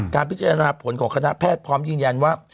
การพิจารณาผลของคณะแพทย์พร้อมยืนยันว่า